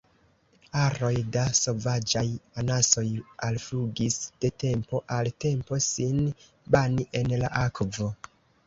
Aroj da sovaĝaj anasoj alflugis de tempo al tempo sin bani en la akvo.